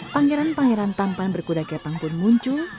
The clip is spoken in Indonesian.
pangeran pangeran tampan berkuda kepang pun muncul